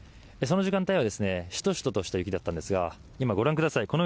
その時間帯はシトシトとした雪だったんですが今、ご覧ください。